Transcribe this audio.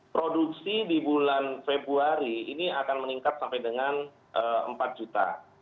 produksi di bulan februari ini akan meningkat sampai dengan empat juta